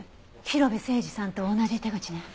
広辺誠児さんと同じ手口ね。